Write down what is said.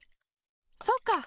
そうか！